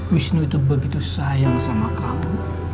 wisnu itu begitu sayang sama kamu